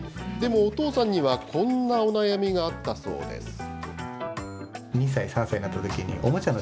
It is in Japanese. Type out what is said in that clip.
でもお父さんにはこんなお悩みがあったそうです。